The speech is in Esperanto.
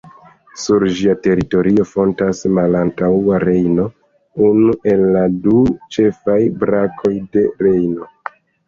Sur ĝia teritorio fontas Malantaŭa Rejno, unu el la du ĉefaj brakoj de Rejno.